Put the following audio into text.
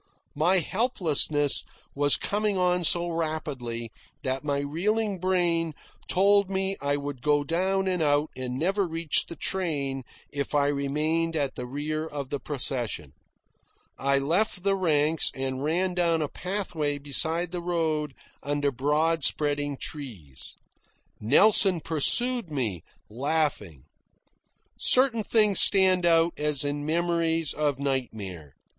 My helplessness was coming on so rapidly that my reeling brain told me I would go down and out and never reach the train if I remained at the rear of the procession. I left the ranks and ran down a pathway beside the road under broad spreading trees. Nelson pursued me, laughing. Certain things stand out, as in memories of nightmare.